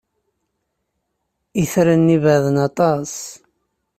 Itran-nni beɛden aṭas.